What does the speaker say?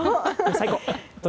最高！